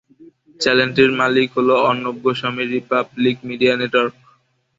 চ্যানেলটির মালিক হল অর্ণব গোস্বামীর রিপাবলিক মিডিয়া নেটওয়ার্ক।